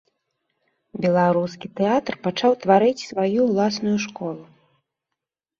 Беларускі тэатр пачаў тварыць сваю ўласную школу.